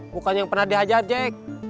bukannya yang pernah dihajar jack